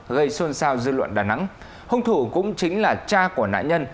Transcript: gây xôn xao dư luận đà nẵng hung thủ cũng chính là cha của nạn nhân